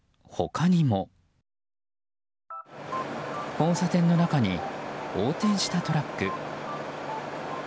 交差点の中に横転したトラック。